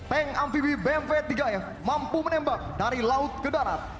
tank amphibie bmv tiga f mampu menembak dari laut ke darat